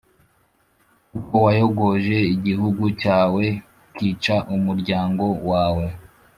kuko wayogoje igihugu cyawe, ukica umuryango wawe: